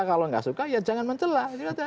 kalau nggak suka ya jangan mencelah